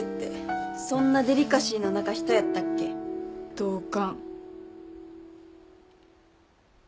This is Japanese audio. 同感。